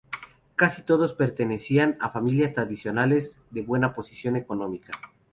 Casi todos pertenecían a familias tradicionales de buena posición económica.